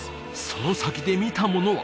その先で見たものは？